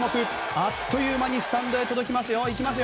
あっという間にスタンドへ届きますよ。